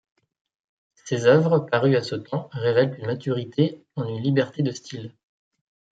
Ses œuvres parues à ce temps révèlent une maturité en une liberté de style.